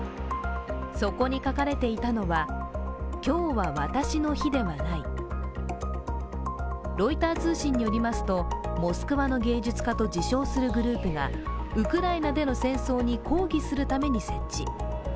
そこに書かれていたのは、「今日は私の日ではない」ロイター通信によりますと、モスクワの芸術家と自称するグループがウクライナでの戦争に抗議するために設置。